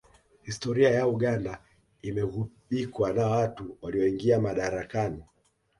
Historia ya Uganda imeghubikwa na watu walioingia madarakani